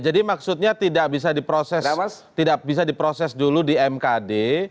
jadi maksudnya tidak bisa diproses dulu di mkd